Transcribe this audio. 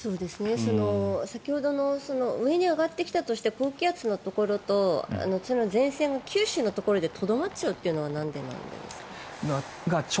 先ほどの上に上がってきたとして高気圧のところとその前線が九州のところでとどまってしまうのはなんでなんですか？